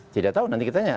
tidak tahu nanti kita tanya